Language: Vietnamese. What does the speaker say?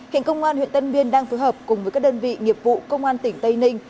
hiện công an huyện tân biên đang phối hợp cùng với các đơn vị nghiệp vụ công an tỉnh tây ninh